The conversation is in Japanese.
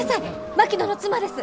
槙野の妻です！